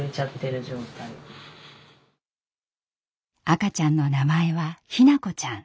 赤ちゃんの名前は日向子ちゃん。